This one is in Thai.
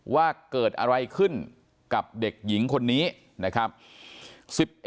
ว่าเกิดอะไรขึ้นกับเด็กหญิงคนนี้นะครับ